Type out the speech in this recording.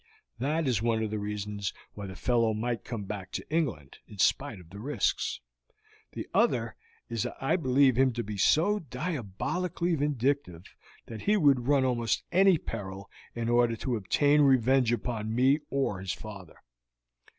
"That is one of the reasons why the fellow might come back to England in spite of the risks. The other is that I believe him to be so diabolically vindictive that he would run almost any peril in order to obtain revenge upon me or his father.